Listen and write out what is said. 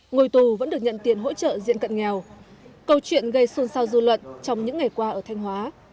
ngôi tù vẫn được nhận tiền hỗ trợ diện cận nghèo câu chuyện gây xuân sao du luận trong những ngày qua ở thanh hóa